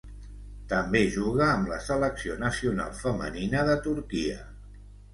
També juga amb la selecció nacional femenina de Turquia.